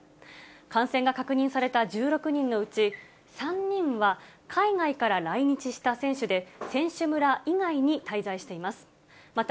感染が確認された１６人のうち３人は、海外から来日した選手で、選手村以外に滞在しています。